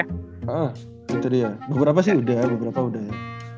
hah gitu dia beberapa sih udah ya beberapa udah ya